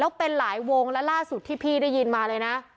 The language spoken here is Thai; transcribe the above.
แล้วเป็นหลายวงและล่าสุดที่พี่ได้ยินมาเลยนะ